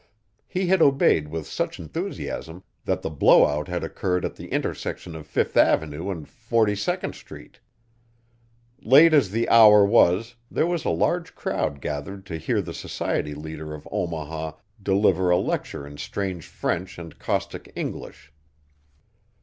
He had obeyed with such enthusiasm that the blowout had occurred at the intersection of Fifth avenue and Forty second street. Late as the hour was there was a large crowd gathered to hear the society leader of Omaha deliver a lecture in strange French and caustic English.